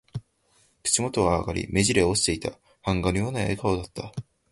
口元は上がり、目じりは落ちていた。版画のような笑顔だった。